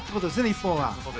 日本は。